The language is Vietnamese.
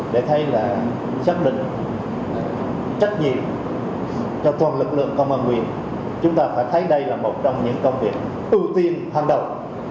để thấy là xác định trách nhiệm cho toàn lực lượng công an huyện chúng ta phải thấy đây là một trong những công việc ưu tiên hàng đầu